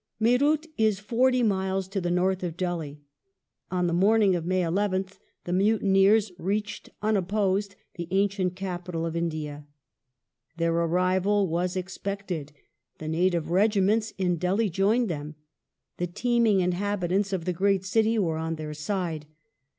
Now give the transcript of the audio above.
Meerut is forty miles to the north of Delhi. On the morning Delhi of May 11th the mutineers reached unopposed the ancient capi tal of India. Their arrival was expected ; the native regiments in Delhi joined them ; the teeming inhabitants of the great city were on their side.